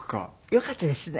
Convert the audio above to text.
よかったですね。